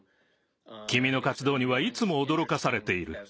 君の活動にはいつも驚かされている。